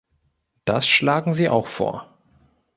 Das schlagen Sie auch vor.